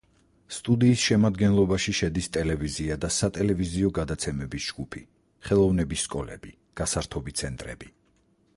სტუდიის შემადგენლობაში შედის ტელევიზია და სატელევიზიო გადაცემების ჯგუფი, ხელოვნების სკოლები, გასართობი ცენტრები.